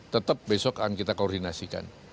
tetap besok akan kita koordinasikan